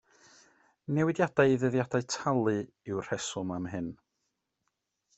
Newidiadau i ddyddiadau talu yw'r rheswm am hyn.